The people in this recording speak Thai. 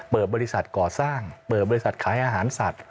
บริษัทก่อสร้างเปิดบริษัทขายอาหารสัตว